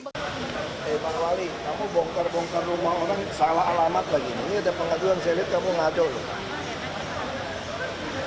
eh pak wali kamu bongkar bongkar rumah orang salah alamat begini ada pengaduan saya lihat kamu ngado